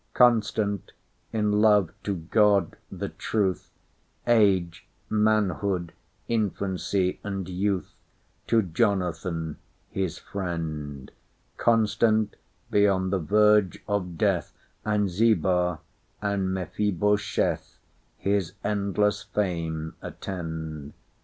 Constant—in love to God, the Truth, Age, manhood, infancy, and youth:To Jonathan his friendConstant, beyond the verge of death; And Ziba, and Mephibosheth, His endless fame attend.